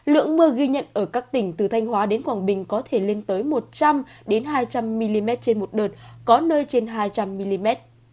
lượng mưa ghi nhận ở các tỉnh từ thanh hóa đến quảng bình có thể lên tới một trăm linh hai trăm linh mm trên một đợt có nơi trên hai trăm linh mm